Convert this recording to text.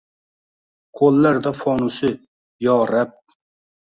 Koʼllarida fonusi… yo rab